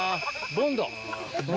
ボンド？